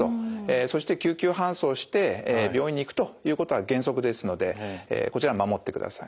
そして救急搬送して病院に行くということが原則ですのでこちら守ってください。